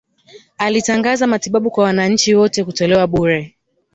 Alitangaza matibabu kwa wananchi wote kutolewa bure